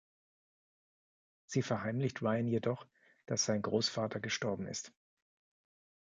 Sie verheimlicht Ryan jedoch, dass sein Großvater gestorben ist.